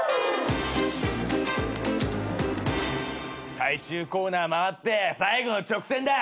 最終コーナー回って最後の直線だ！